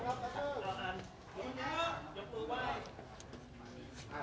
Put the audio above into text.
ขอขอบคุณหน่อยนะคะ